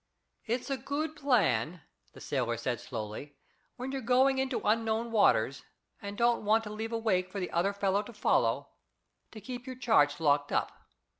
"It's a good plan," the sailor said slowly, "when you're going into unknown waters, and don't want to leave a wake for the other fellow to follow, to keep your charts locked up.